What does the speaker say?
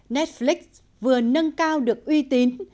netflix vừa nâng cao được uy tín